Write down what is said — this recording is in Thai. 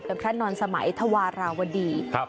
ประพระนอนสมัยธวราวดีครับ